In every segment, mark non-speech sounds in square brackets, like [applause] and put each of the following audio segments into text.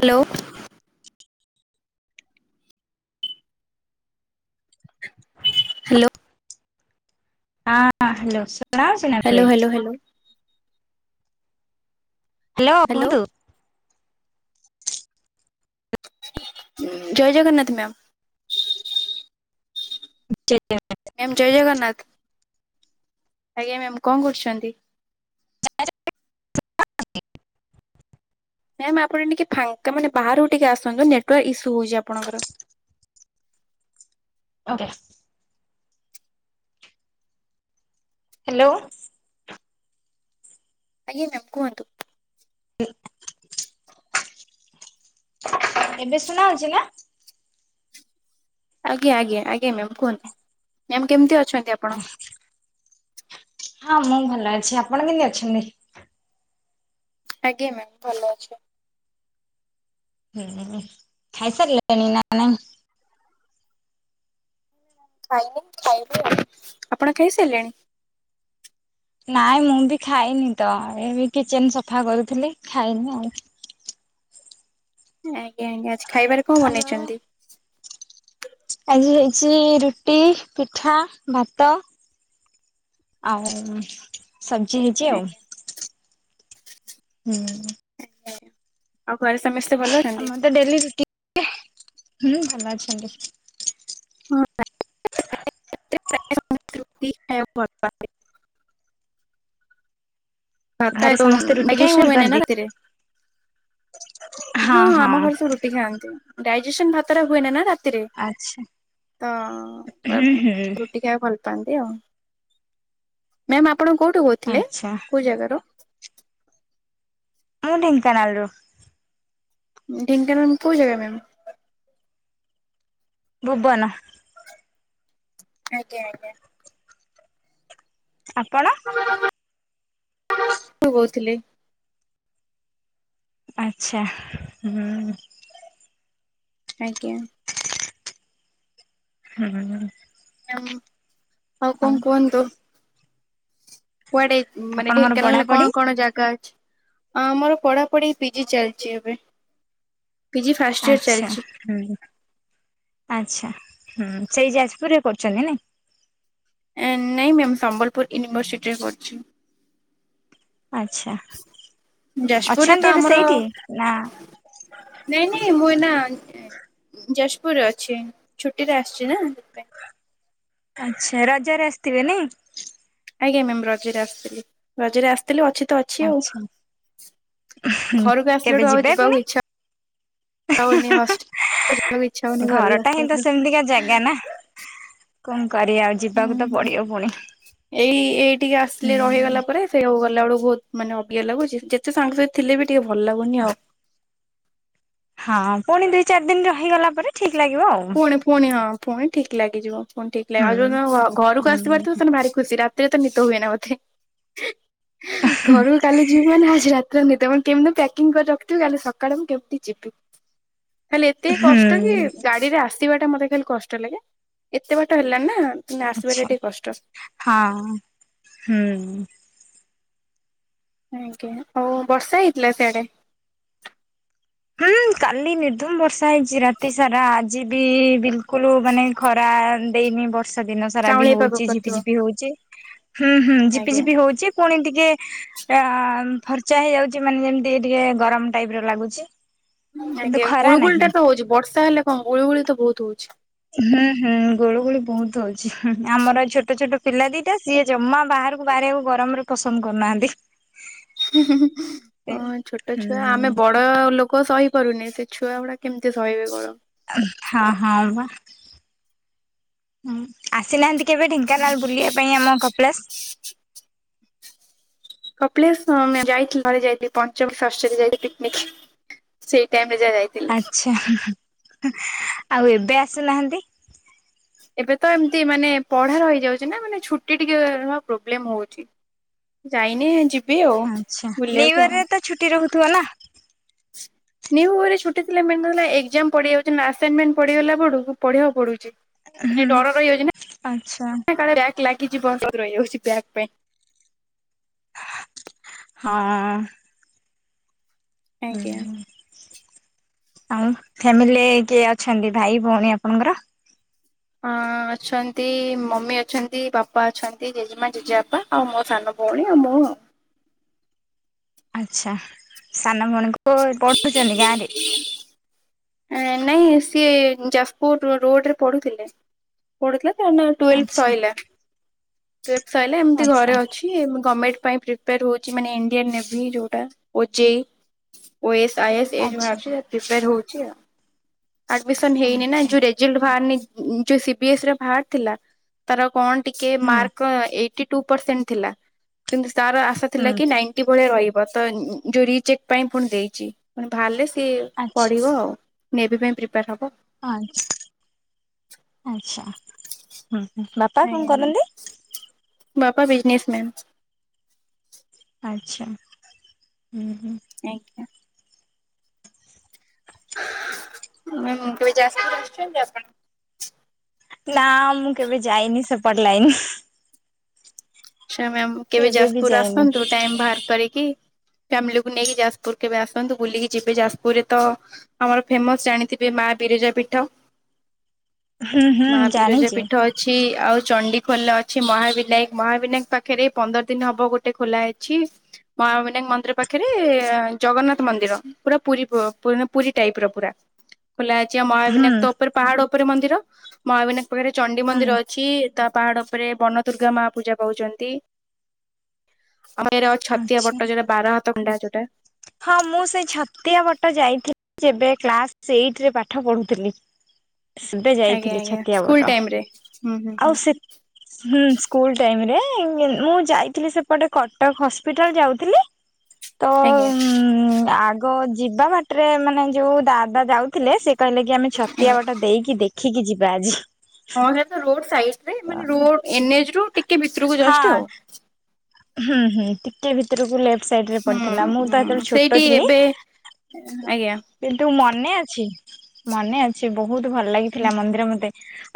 Hello. Hello. ହଁ hello ଶଣାଉଛ ନା ଏବେ? Hello hello hello hello hello କୁହନ୍ତୁ? ଜୟ ଜଗନ୍ନାଥ ମ୍ୟାମ୍। ଆଚାା [inaudible] ମ୍ୟାମ୍ ଜୟ ଜଗନ୍ନାଥ ଆଜ୍ଞା ମ୍ୟାମ୍ କଣ କରୁଛନ୍ତି? [inaudible] ମ୍ୟାମ୍ ଆପଣ ଟିକେ ଫାଙ୍କା ମାନେ ବାହାରକୁ ଟିକେ ଆସନ୍ତୁ ନେଟୱାର୍କ ଇସ୍ୟୁ ହଉଛି ଆପଣଙ୍କର। ଓକେ। ହ୍ୟାଲୋ। ଆଜ୍ଞା ମ୍ୟାମ୍ କୁହନ୍ତୁ? ଏବେ ଶୁଣାଉଛି ନା? ଆଜ୍ଞା ଆଜ୍ଞା ଆଜ୍ଞା୍ ମ୍ୟାମ୍ କୁହନ୍ତୁ ମ୍ୟାମ୍ କେମିତି ଅଛନ୍ତି ଆପ ହଁ ମୁଁ ଭଲ ଅଛି ଆପଣ କେମିତି ଅଛନ୍ତି? ଆଜ୍ଞା ମ୍ୟାମ୍ ଭଲ ଅଛି। ହୁଁ ହୁଁ ଖାଇସାରିଲାଣିି ନା ନାଇ? ଖାଇନି ଖାଇବି ଆଉ ଆପଣ ଖାଇସାଇଲେଣି? ନାଇଁ ମୁଁ ବି ଖାଇନି ତ ଏ କିଚେନ ସଫା କରୁଥିଲି ଖାଇନି ଆଉ। ଆଜ୍ଞା ଆଜ୍ଞା ଆଜି ଖାଇବାରେ କ ଆଉ ବନେଇଛନ୍ତି? ଆଜି ହେଇଛି ରୁଟି ପିଠା ଭାତ ଆଉ ଶବ୍ଜିି ହେଇଛି ଆଉ ଆଜ୍ଞା ହୁଁ। ଆଉ ଘରେ ସମସ୍ତେ ଭଲ ଅଛନ୍ତି? ସେ ଡେଲି ଚି କେ ହୁଁ ଭଲ ଅଛନ୍ତି। ହଁ ଖ [inaudible] ଆତ ଘରେ ସମସ୍ତେ ରୁଟି ମାଇଜେନ୍ ଖାଇବାକୁ ଭଲ ପାଆନ୍ତି? ମହନେତିରେ [unintelligible] ହଁ ହଁ ଆମ ଘରେ ସବୁ ରୁଟି ଖାଆନ୍ତି ଡାଇଜେସନ ଭାତାରା ହୁଏନ ନା ରା ଆଚ୍ଛା। ହୁଁ ହୁଁ [unintelligible] ଖିଆ ଭଲ ପାଆନ୍ତି ଆଉ ମ୍ୟାାମ ଆପଣ କୋଉଠୁ କହୁଥିଲେ ଆଚ୍ଛା କୋଉ ଜାଗାରୁ? ମୁଁ ଢେଙ୍କାନାଳରୁ। ଢ଼ଙ୍କାନାଳ କୋଉ ଜାଗା ମ୍ୟାମ୍? ଭୁବନ। ଆଜ୍ଞା ଆଜ୍ଞା। ଆପଣ? [unintelligible] କହୁଥିଲି ଆଚ୍ଛା ହୁଁ। ଆଜ୍ଞା। ହୁଁ ହୁଁ। ମ୍ ଆଉ କଣ କୁହନ୍ତୁ? କୁଆଡେ ମାନେ ଆପଣଙ୍କର ଢେଙ୍କାନାଳରେ ପଢାପଢି? କଣ କଣ ଜାଗା ଅଛି? ଆ ଆମର ପଢାପଢି ପିଜି ଚାଲିଛି ଏବେ। ପିଜି ଫାଷ୍ଟ ଇୟର ଆଚ୍ଛା ଚାଲିଛି। ହୁଁ ଆଚ୍ଛା ହୁଁ ସେଇ ଯାଜପୁରରେ କରୁଛନ୍ତି ନାଇଁ? ନାଇଁ ମ୍ୟାମ୍ ସମ୍ବଲପୁର ୟୁନିଭର୍ସିଟିରେ କରୁଛି। ଆଚ୍ଛା। ଯାଜପୁରରେ ତ ଅଛନ୍ତି ଏବେ ଆମର ସେଇଠି? ନା ନାଇଁ ନାଇଁ ମୁଁ ଏଇନା ଏ ଯାଜପୁରରେ ଅଛି। ଛୁଟିରେ ଆସିଛି ନା, ସେଇଥିପାଇଁ। ଆଚ୍ଛା, ରଜରେ ଆସିଥିବେ ନାଇଁ? ଆଜ୍ଞା ମ୍ୟାମ୍, ରଜରେ ଆସିଥିଲି। ରଜରେ ଆସିଥିଲି ଅଛି ତ ଅ ଆଛା। ହୁଁ ଘରକୁ କେବେ ଆସିଲାଠୁ ଆଉ ଯିବେ ଯିବାକୁ ପୁଣି? ଇଚ୍ଛା ହଉନି ହଷ୍ଟେଲ ଯିବାକୁ ଇଚ୍ଛା ହଉନି ଘରକୁ ଘରଟା ହିଁ ତ ଆସିଲାଠୁ। ସେମିତିକା ଜାଗା ନା। କଣ କରିବା ଆଉ? ଯିବାକୁ ତ ହୁଁ, ପଡିବ ପୁଣି। ଏଇ ଏଇଠିକି ହୁଁ ଆସିଲେ ରହିଗଲା ପରେ ସେଇ ହଉ ଗଲାବେଳକୁ ବହୁତ ମାନେ ଅବାଗିଆ ଲାଗୁଛି। ଯେତେ ତେ ସାଙ୍ଗ ସାଥି ଥିଲେ ବି ଟିକେ ଭଲ ଲାଗୁନି ଆଉ। ହଁ ପୁଣି ଦିଇ ଚାରି ଦିନ ରହିଗଲା ପରେ ଠିକ୍ ଲାଗିବ ଆଉ। ଫୁଣି ଫୁଣି ହଁ ଫୁଣି ଠିକ ଲାଗିଯିବ। ଫୁଣି ଠିକ ଲାଗିବ। ହୁଁ ଆଉ ଯୋଉଦିନ ଘ ଘରକୁ ହୁଁ ଆସିବାର ଥିବ ସେଦିନ ଭାରି ଖୁସି ରେ ତିରେ ତ ନିିଦ ହୁଏ ନା ମତେ। ଘରକୁ କାଲି ଯିବି ମାନେ ଆଜି ରାତି ରାତିରେ ନିଦ ହୁଏନି। କେମିତି ପ୍ୟାକିଂ କରି ରଖିିଥିବି କାଲି ସକାଳକୁ କେମିତି ଯିବି? ହେଲେ ଏତିକି ହୁଁ କଷ୍ଟ କି? ଗାଡ଼ିରେ ଆସିବାଟା ମୋତେ ଖାଲି କଷ୍ଟ ଲାଗେ। ଏତେ ବାଟ ହେଲାଣି ନା ଆସିବାଟା ଆଚ୍ଛା ଟିକେ କଷ୍ଟ। ହଁ ହୁଁ। ଆଜ୍ଞା। ଆଉ ବର୍ଷା ହେଇଥିଲା ସିଆଡେ? ହୁଁ କାଲି ନିର୍ଦ୍ଧୁମ ବର୍ଷା ହେଇଛି ରାତି ସାରା। ଆଜି ବି ବିଲ କୁଲୁ ମାନେ ଖରା ଦେଇନି ବର୍ଷା ଦିନ ସାରା ବି କାଉଁଳିଆ ପାଗ ହଉଛି କରିଥିବ ଝିପିଝିପି ହଉଛି। ହୁଁ ହୁଁ ଝିପି ଆଜ୍ଞା। ଝିପି ହଉଛିି। ପୁଣି ଟିକେ ଆ ଫର୍ଚ୍ଚା ହେଇଯାଉଛି ମାନେ ଯେମିତିକି ଟିକେ ଗରମ ଟାଇପ ର ଲାଗୁଛି। କିନ୍ତୁ ଆଜ୍ଞା ଖରା ଗୁଳୁଗୁଳି ନାହିଁ ଟା ତ ହଉଛି। ବର୍ଷା ହେଲେ କଣ ହବ ଗୁଳୁଗୁଳି ତ ବହୁତ ହଉଛି। ହୁଁ ହୁଁ ଗୁଳୁଗୁଳି ବହୁତ ହଉଛି। ଆମର ଛୋଟ ଛୋଟ ପିଲା ଦିଟା। ସିଏ ଜମା ବାହାରକୁ ବାହାରିବାକୁ ଗରମରେ ପସନ୍ଦ କରୁନାହାନ୍ତି। ହଁ ଛୋଟ ଛୁଆ, ଆମେ ହୁଁ ବଡ ବଡ଼ ଲୋକ ସହି ପାରୁନେ। ସେ ଛୁଆଗୁଡା କେମିତି ସହିବେ ଗରମ? ହଁ ହଁ ବା। ହୁଁ ଆସିନାହାନ୍ତି କେବେ ଢେଙ୍କାନାଳ ବୁଲିବା ପାଇଁ ଆମ କପିଳାସ କପିଳାସ, ହଁ ମେ ଯାଇଥିଲି ଥରେ ଯାଇଥିଲି। ପଞ୍ଚମ ଷଷ୍ଠରେ ଯାଇଥିଲି ପିକନିକ, ସେ ଟାଇମ ରେ ଯାହା ଯାଇଥିଲି। ଆଚ୍ଛା। ଆଉ ଏବେ ଆସୁନାହାନ୍ତି? ଏବେ ତ ଏମିତି ମାନେ ପଢ଼ା ରହିଯାଉଛି ନା। ମାନେ ଛୁଟି ଟିକେ ପ୍ରୋବ୍ଲେମ୍ ହେଉଛି। ଯାଇନି, ଯିବ ଆଚ୍ଛା, ନିୟୁଇୟର ରେ ତ ଛୁଟି ରହୁଥିବ ନା? ନିୟୁଇୟରରେ ଛୁଟି ଥିଲା। ମେନ ରହିଲା ଏକଜାମ ପଡିଯାଉଛି ନା, ଅସାଇନମେଣ୍ଟ ପଡିଗଲା ପଡକୁ ପଢିବାକୁ ପଡୁଛି। ମାନେ ହୁଁ ଡର ରହିଯାଉଛି ଆଚ୍ଛା। ନା କାଳେ ବ୍ୟାକ ଲାଗିଯିବ ମୁଁ ରହିଯାଉଛି ବ୍ୟାକ ପାଇଁ। ହଁ। ହୁଁ ଆଜ୍ଞା। ହୁଁ। ଆଉ ଫ୍ୟାମିଲିରେ କିଏ ଅଛନ୍ତି? ଭାଇ ଭଉଣୀ ଆପଣଙ୍କର? ହଁ ଅଛନ୍ତି। ମମି ଅଛନ୍ତି, ବାପା ଅଛନ୍ତି, ଜେଜେମା, ଜେଜେବାପା ଆଉ ମୋ ସାନ ଭଉଣୀ ଆଉ ମୁଁ ଆଉ। ଆଚ୍ଛା। ସାନ ଭଉଣୀ କ ପଢୁଛନ୍ତି ଗାଁରେ? ନାଇଁ ସିଏ ଯାଜପୁର ରୋଡରେ ପଢୁଥିଲେ। ପଢୁଥିଲା ଟୁଏଲଥ ଆଚ୍ଛା ସଇଲାଟୁଏଲଥ ସଇଲା ଏମତି ଆଚ୍ଛା ଘରେ ଅଛି। କି ଗମେଣ୍ଟ ପାଇଁ ପ୍ରିପେୟାର ହଉଛି ମାନେ ଇଣ୍ଡିଆନ ନେଭି ଯୋଉଟା ଓଜେଇ ଓ ଏ ସ ଆ ଇ ଏ ସ ଏ ଯଉ ଆପ ଆଚ୍ଛା ପ୍ରିପେୟାର ହଉଛି ଆଡମିସନ ହେଇନି ନା ଆଚ୍ଛା ଯ ଜେଲ୍ଟ ବାହାରନି ଯଉ ସିପିଏସି ର ଭାରି ଥିଲା ତାର କଣ ଟିକେ ହୁଁ ମାର୍କ ଏ ଟୁ ପ୍ରଶେଣ୍ଟ ଥିଲା କିନ୍ତୁ ତାର ଆଶା ହୁଁ ଥିଲା କି ନାଇଟି ଭଳିଆ ରହିବ। ତ ଯୋଉ ରିଚେକ୍ ପାଇଁ ପୁଣି ଦେଇଛି ପୁଣି ବାହାରିଲେ ସିଏ ଆଚ୍ା ରୁଅ ମେରିଡ ପାଇଁ ପ୍ରିପୟାର ହବ। ଆଛା ଆଚ୍ଛା ହ ହ ବା ଆଜ୍ଞା ମ୍ୟାମ ବାପା ବିଜିନେସ୍ ମ୍ୟାମ୍। ଆଚ୍ଛା ହୁଁ ହୁଁ। ଆଜ୍ଞା ହ କେବେ ଯାଜପୁର ଆସୁଛନ୍ତି ଆପଣ! ନା ମୁଁ କେବେ ଯାଇନି ସେ ପଟ ଲାଗନି। ଆଛା ମ୍ୟାମ କେବେ ବି ଯାଜପୁର ଯାଇନ? ଆସନ୍ତୁ ଟାଇ ବାହାର କରିକି। ଫ୍ୟାମିଲିକୁ ନେଇକି ଯାଜପୁର କେବେ ଆସନ୍ତୁ ବୁଲିକି ଯିବେ ଯାଜପୁରରେ ତ ଆମର ଫେମସ ଜାଣିଥିବେ ମା ବିରିଜା ପିଠ। ହୁଁ ହୁଁ ମା ବିରଜା ଜାଣିଛି ପୀଠ ଅଛି ଆଉ ଚଣ୍ଡିଖୋଲା ଅଛି ମହାବିନାୟକ ମହା ବିନାୟ ପାଖରେ ପନ୍ଦର ଦିନ ହବ ଗୋଟେ ଖୋଲା ଅଛି। ମହାବିନାୟକ ମନ୍ଦିର ପାଖରେ ଜଗନ୍ନାଥ ମନ୍ଦିର। ପୁରା ପୁରୀା ପ ପୁରୀ ଟାଇପ ର ପୁରା। ଖୋଲା ହେଇଛି ହୁଁ ମହାବିନାକ ତ ଉପରେ ପାହାଡ ଉପରେ ମନ୍ଦିର ମହାବିନାୟ ପାଖରେ ଚଣ୍ଡି ହୁଁ ମନ୍ଦିର ଅଛି ତା ପାହାଡ ଉପରେ ବନ ଦୁର୍ଗା ମା ପୂଜା ପାଉଛନ୍ତି। ଆଉ ଏଟ [unintelligible] ଛତିଆ ଆଚ୍ଛା। ପଟ ଯୋଉଟା ବାର ହାତ କଣ୍ଡା ଯୋଉଟା। ହଁ ମୁଁ ସେ ଛତିଆ ପଟ ଯାଇଥିଲି। ଯେବେ କ୍ଲାସ ଏଇଟ ରେ ପାଠ ପଢୁଥିଲି। ସିଦେ ଆଜ୍ଞା ଯାଇଥିଲି ଆଜ୍ଞା ଛାତିଆ ସ୍କୁଲ ବଟ ଟାଇମ ରେ ହୁଁ ହୁଁ ହୁଁ ଆଉ ସେ ହୁଁ ସ୍କୁଲ ଟାଇମ ରେ ମୁଁ ଯାଇଥିଲି ସେପଟେ କଟକ ହସ୍ପିଟାଲ ଯାଉଥିଲି। ତ ଆଜ୍ଞା ଆଗ ଯିବା ବାଟରେ ମାନେ ଯୋଉ ଦାଦା ଯାଉଥିଲେ ସେ କହିଲେ କି ଆମେ ଆଜ୍ଞା ଛତିଆ ବାଟ ଦେଇକି ଦେଖ ଖିକି ଯିବା ଆଜି। ହଁ ହେ ତ ରୋଡ ସାଇଡରେ ମାନେ ରୋଡ ଏନ୍ଚ ରୁ ଟିକେ ଭିତରକୁ ହଁ ଜଷ୍ଟ ଆଉ। ହୁଁ ହଁ। କେ ଭିତରକୁ ଲେଫ୍ଟ ସାଇଡ ରେ ହୁଁ ପଡିଥିଲା ମୁଁ ତ ହୁଁ ସେତେବେଳେ ଛୋଟ ସେଇଠି ଥିଲି। ଏବେ ଆଜ୍ଞା କିନ୍ତୁ ମନେ ଅଛି ମନେ ଅଛି ବହୁତ ଭଲ ଲାଗିଥିଲା ମନ୍ଦିର ମତେ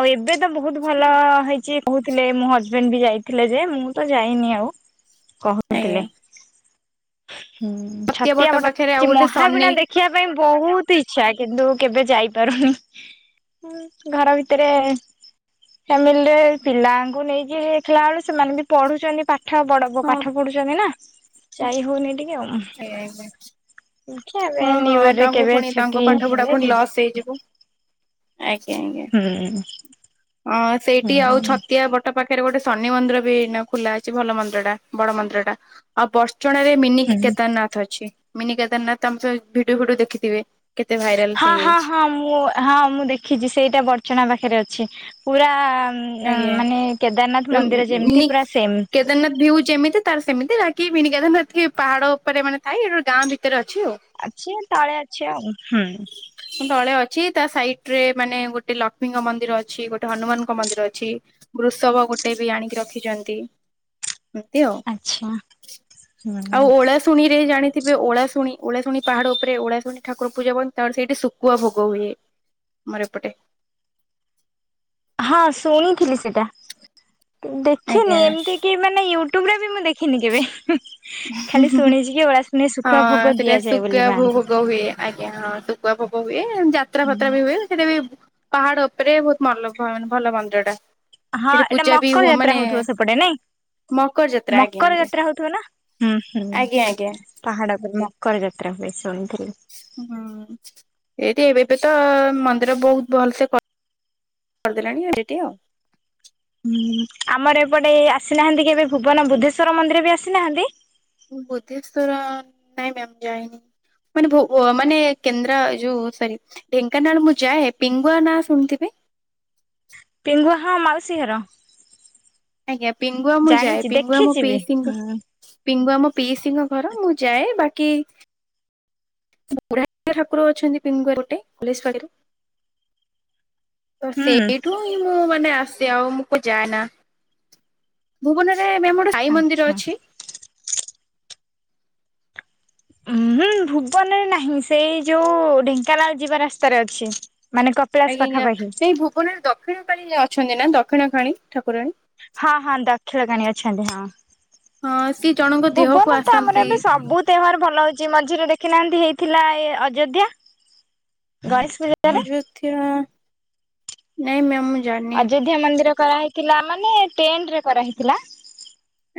ଆଉ ଏବେ ତ ବହୁତ ଭଲ ହେଇଛି କହୁଥିଲେ ମୋ ହଜବେଣ୍ଡ ବି ଯାଇଥିଲେ ଯେ ମୁଁ ତ ଯାଇନି ଆଉ। କହୁଥିଲେ ଆଜ୍ଞା ହଁ ହତିଆ ଛତିଆ ବଟ ପାଖରେ ଆଉ ପଟ ଗୋଟେ ଶନି ମହାବିଣା ଦେଖ ଦେଖିବା ପାଇଁ ବହୁତ ଇଛା କିନ୍ତୁ କେବେ ଯାଇପାରୁନି। ହୁଁ ଘର ଭିତରେ ଫାମିଲିରେ ପିଲାଙ୍କୁ ନେଇକି ଦେଖିଲା ବେଳ ସେମାନେ ବି ପଢୁଛନ୍ତି ପାଠ ବଡ ବ ହଁ ପାଠ ପଢୁଛନ୍ତି ନା ଯାଇ ହଉନି ଟିକେ। ସେଇ ଆଇଲା। ଏବେ ନିୁରରେ କେବେ ଛୁଟି ହେଲେ ଯ ସେଇ ଯୋଗୁ। ଆଜ୍ଞା ଆଜ୍ଞା ହୁଁ ହଁ ହୁଁ ସେଇଠି ଆଉ ଛତିଆ ବ ତା ପାଖେରେ ଗୋଟେ ଶନି ମନ୍ଦିର ବି ଏଇନା ଖୋଲା ଅଛି ଭଲ ମନ୍ଦିଟା ବଡ ମନ୍ଦିଟା ଆଉ ବର ଚଣାରେ ମିନି କେ ହୁଁ। କେଦାରନାଥ ଅଛି ମିନି କେଦାରନାଥ ଆମ ସ ଭିଡୁଅ ଫିଡୁଅ ଦେଖିଥିବେ କେତେ ଭାଇରା ହଁ ହଁ ହଁ ମୁଁ ହଁ ମୁଁ ଦେଖିଚି ସେଇଟା ବଡ଼ଚଣା ପାଖେରେ ଅଛି ପୁରା ନାଁ ଆଜ୍ଞା ମାନେ କେଦାରନାଥ ମନ୍ଦିର ମିନି ଯେମତି ପୁରା ସେମ୍। କେଦାରନାଥ ଭିଉ ଯେମିତି ତାର ସେମିତି ବାକି ମିନି କେଦାରନାଥ ଏ ପାହାଡ଼ ଓପରେ ମାନେ ଥାଏ ଏଟା ଓ ଗାଁ ଭିତରେ ଅଛି ଆଉ। ଆଛି ତାଳେ ଅଛି ଆଉ। ତଳେ ଅଛି ତା ସାଇଟ୍ ରେ ମାନେ ଗୋଟେ ଲକ୍ଷ୍ମୀଙ୍କ ମନ୍ଦିର ଅଛି ଗୋଟେ ହନୁମାନଙ୍କ ମନ୍ଦିର ଅ ଛି ବୃଷବ ଗୋଟେ ବି ଆଣିକି ରଖିଚନ୍ତି। ଏତି ଓ ଆଚ୍ଛା ହୁଁ। ଆଉ ଓଳା ଶୁଣିରେ ଜାଣିଥିବେ ଓଳାଶୁଣି ଓଳାଶୁଣି ପାହାଡ଼ ଓପରେ ଓଳାଶୁଣି ଠାକୁର ପୂଜା ହୁଅନ୍ତି ତର ସେଇଟି ଶୁକୁଆ ଭୋଗ ହୁଏ। ମର ଏପଟେ। ହଁ ଶୁଣିଥିଲି ସେଟା ଦେଖିନି ଆଜ୍ଞା। ଏମତି କି ମାନେ ୟୁଟ୍ୟୁବରେ ବି ମୁଁ ଦେ ଖିନି କେବେ ଖାଲି ଶୁଣିଚି କି ଓଳାଶୁଣିଏ ଶୁଖୁଆ ହଁ ଭୋଗ ସେଟା ଦିଆଯାଏ ଶୁଖୁଆ ବୋଲି ମାଆଙ୍କୁ। ଭୋଗ ହୁଏ ଆଜ୍ଞା ହଁ ଶୁଖୁଆ ଭୋଗ ହୁଏ ଯାତ୍ରା ଫାତ୍ରା ବି ହୁଏ ସେଟା ବି ପାହାଡ଼ ଓପରେ ବହୁତ ଲଭ ଭନ୍ ଭଲ ମନ୍ଦିରଟା। ହଁ ଏଟା ମକର ଯାତ୍ରା ହଉଥୁବ ସେପଟେ, ନାଇଁ? ମକର ମ ଯାତ୍ରା ଆଜ୍ଞା ମକର ଆଜ୍ଞା ଯାତ୍ରା ହଉଥୁବ ନା? ଆଜ୍ଞା ଆଜ୍ଞା ପାହାଡ଼ ଓପରେ ମକର ଯାତ୍ରା ହୁଏ ଶୁଣିଥିଲି। ହୁଁ ଏଇଠି ଏବେ ଏବେ ତ ମନ୍ଦିର ବହୁତ ଭଲସେ କ ଅରିଦେଲେଣି ଏଜିଟି ଆଉ। ହୁଁ ଆମର ଏପଟେ ଆସିନାହାଁନ୍ତି କି ଏବେ ଭୁବନ ବୁଦ୍ଧେଶ୍ୱର ମନ୍ଦିର ବି ଆସି ନାହାଁନ୍ତି? ଉଁ ବୁଦ୍ଧେଶ୍ୱର ନାଇଁ ମ୍ୟାମ୍ ଯାାଇନି। ମାନେ ଭୁ ଉଅ ମାନେ କେନ୍ଦ୍ର ଯୋଉ ସରି। ଢେଙ୍କାନାଳ ମୁଁ ଯାଏ ପିଙ୍ଗୁଆ ନାଁ ଶୁଣିଥିବେ। ପେଙ୍ଗୁଆ ହଁ ମାଉସୀ ଘର। ଆଜ୍ଞା ପିଙ୍ଗୁଆ ମୁଁ ଯାଏ ଜାଣିଛି ପିଙ୍ଗୁଆ ମୋ ଦେଖିଛି ବି ପିସିଙ୍କ ହୁଁ ପିଙ୍ଗୁଆ ମୋ ପିଇସିିଙ୍କ ଘର ମୁଁ ଯାଏ ବାକି ବୁଢ଼ା [inaudible] ଠାକୁର ଅଛନ୍ତି ପିଙ୍ଗୁଆ ଗୋଟେ ଅଲିସ୍ ବାଡ଼ିରେ। ତ ହୁଁ ସେଇଠୁ ହିଁ ମୁଁ ମାନେ ଆସେ ଆଉ ମୁଁ କୁ ଯାଏନା। ଭୁବନରେ ମ୍ୟାମ୍ ଗୋଟେ ମନ୍ଦିର ଆଚ୍ଛା। ଅଛି। ହୁଁ ହୁଁ ଭୁବନରେ ନାହିଁ ସେଇ ଯୋଉ ଢେଙ୍କାନାଳ ଯିବା ରାସ୍ତାରେ ଅଛି। ମାନେ କପିଳାସ ପାଖାପାଖି। ଓନରେ ଦକ୍ଷିଣ କାଳୀ ଅଛନ୍ତି ନା ଦକ୍ଷିଣ କାଳୀ ଠାକୁରାଣୀ? ହଁ ହଁ ଦକ୍ଷିଳ କାଣି ଅଛନ୍ତି ହଁ। ହଁ ସିଏ ଜଣଙ୍କ ଦେହକୁ ଭୁବନ ତ ଆମର ଆସନ୍ତି ଏବେ ସବୁ ତେମାର ଭଲ ହଉଚି ମଝିରେ ଦେଖିନାହାନ୍ତି ହେଇଥିଲା ଏ ଅଯୋଧ୍ୟା ଗଣେଶ ପୂଜା ମୁଁ ଯୋଉ ଥିବା ନାଇଁ ମ୍ୟାମ୍ ମୁଁ ଜାଣିନି। ଧ୍ୟା ମନ୍ଦିର କରାହେଇଥିଲା ମାନେ ଟେଣ୍ଟରେ କରାହେଇଥିଲା।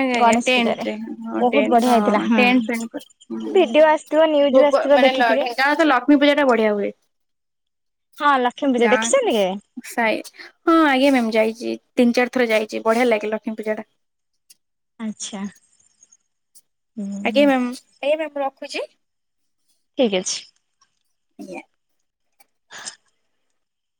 ଆଜ୍ଞା ଆଜ୍ଞା ଗଣେଶ ପୂଜାରେ। ଟେଣ୍ଟରେ ହଁ ବହୁତ ଟେଣ୍ଟ ବଢିଆ ହେଇଥିଲା ହଁ ଟେଣ୍ଟ ଫେଣ୍ଟ୍ କ ହୁଁ। ଭିଡିଓ ଆସିଥିବ ନ୍ୟୁଜ ଭୁବ ଆସିଥିବ ମାନେ ଲ ଦେଖିଥିବେ ଢେଙ୍କାନା ତ ଲକ୍ଷ୍ମୀ ପୂଜାଟା ବଢ଼ିଆ ହୁଏ। ହଁ ଲକ୍ଷ୍ମୀ ପୂଜା ଦେଖିଚନ୍ତି କେ? ଉଁ ସାଇ ହଁ ଆଜ୍ଞା ମ୍ୟାମ୍ ଯାଇଚି ତିନି ଚାରି ଥର ଯାଇଚି ବଢ଼ିଆ ଲାଗେ ଲକ୍ଷ୍ମୀ ପୂଜାଟା। ଆଚ୍ଛା। ଆଜ୍ଞା ହୁଁ ମ୍ୟାମ ଏ ମ୍ୟାମ୍ ରଖୁଚି। ଠିକ୍ ଅଛି। ଆଜ୍ଞା।